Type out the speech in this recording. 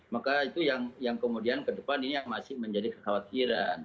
maka itu yang kemudian ke depan ini yang masih menjadi kekhawatiran